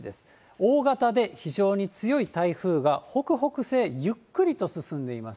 大型で非常に強い台風が、北北西ゆっくりと進んでいます。